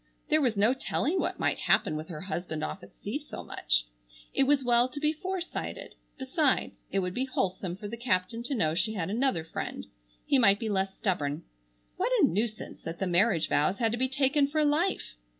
There was no telling what might happen with her husband off at sea so much. It was well to be foresighted, besides, it would be wholesome for the captain to know she had another friend. He might be less stubborn. What a nuisance that the marriage vows had to be taken for life!